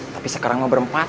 tapi sekarang mau berempat